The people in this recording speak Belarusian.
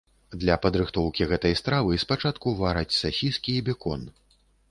Для падрыхтоўкі гэтай стравы спачатку вараць сасіскі і бекон.